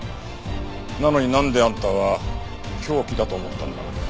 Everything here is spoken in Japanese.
なのになんであんたは凶器だと思ったんだ？